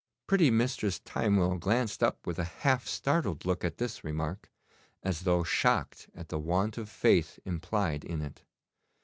Pretty Mistress Timewell glanced up with a half startled look at this remark, as though shocked at the want of faith implied in it.